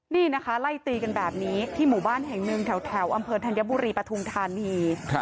นี่นะคะไล่ตีกันแบบนี้ที่หมู่บ้านแห่งหนึ่งแถวอำเภอธัญบุรีปฐุมธานี